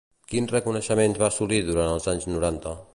Quins reconeixements va assolir durant els anys noranta?